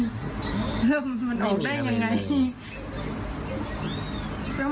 เรื่องมันออกได้ยังไง